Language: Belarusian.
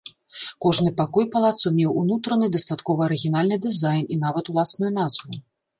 Кожны пакой палацу меў унутраны, дастаткова арыгінальны дызайн і нават уласную назву.